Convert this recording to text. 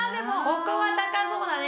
ここは高そうだね。